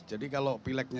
jadi kalau pileknya